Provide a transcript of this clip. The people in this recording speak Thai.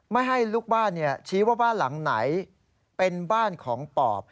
ไม่ให้ลูกบ้านชี้ว่าบ้านหลังไหนเป็นบ้านของปอบ